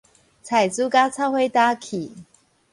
菜煮甲臭火焦去